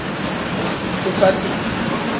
Kifati.